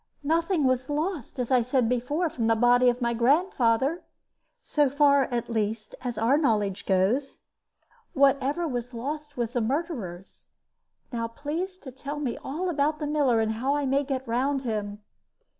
"Nothing was lost, as I said before, from the body of my grandfather, so far at least as our knowledge goes. Whatever was lost was the murderer's. Now please to tell me all about the miller, and how I may get round him."